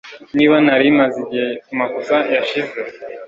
niba narimaze igihe kumakosa yashize